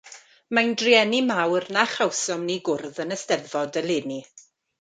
Mae'n drueni mawr na chawsom ni gwrdd yn y Steddfod eleni.